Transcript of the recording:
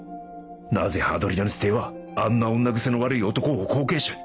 なぜハドリアヌス帝はあんな女癖の悪い男を後継者に？